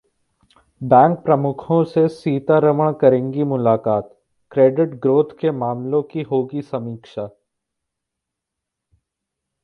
bank प्रमुखों से सीतारमण करेंगी मुलाकात, क्रेडिट ग्रोथ के मामलों की होगी समीक्षा